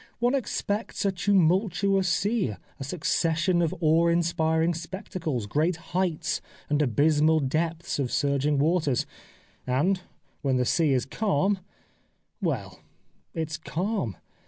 One expects a tumultuous sea, a succession of awe inspiring spectacles, great heights, and abysmal 192 The Life of Oscar Wilde depths of surging waters ; and, when the sea is calm — well, it is calm.